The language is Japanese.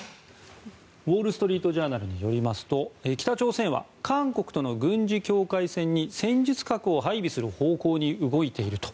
ウォール・ストリート・ジャーナルによりますと北朝鮮は韓国との軍事境界線に戦術核を配備する方向に動いていると。